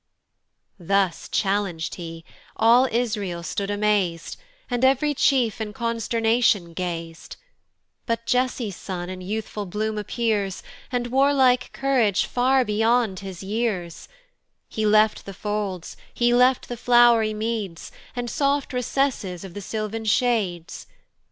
Thus challeng'd he: all Israel stood amaz'd, And ev'ry chief in consternation gaz'd; But Jesse's son in youthful bloom appears, And warlike courage far beyond his years: He left the folds, he left the flow'ry meads, And soft recesses of the sylvan shades.